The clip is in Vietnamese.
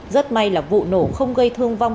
rất may là vụ nổ không gây thương vong